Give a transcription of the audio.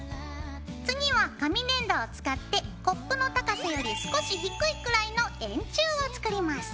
次は紙粘土を使ってコップの高さより少し低いくらいの円柱を作ります。